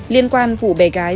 liên quan vụ bè gái